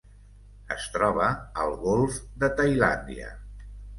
Es troba al golf de Tailàndia.